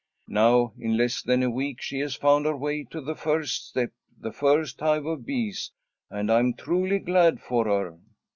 Now in less than a week she has found her way to the first step, the first hive of bees, and I'm truly glad for her."